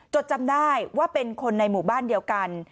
จำได้ว่าเป็นคนในหมู่บ้านเดียวกัน